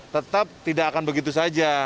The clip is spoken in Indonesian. tetap tidak akan begitu saja